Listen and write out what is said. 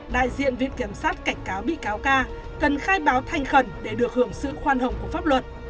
đại diện viện kiểm sát cảnh cáo bị cáo ca cần khai báo thanh khẩn để được hưởng sự khoan hồng của pháp luật